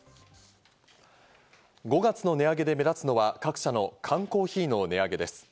５月の値上げで目立つのは各社の缶コーヒーの値上げです。